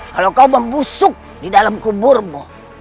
kalau kau membusuk di dalam kuburmu